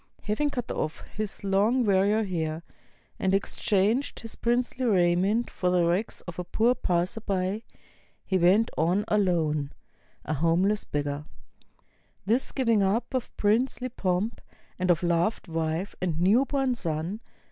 Having cut off his long warrior hair, and exchanged his princely raiment for the rags of a poor passer by, he went on alone, a homeless 27 INDIA beggar. This gi\'ing up of princely pomp, and of loved wife and new born son.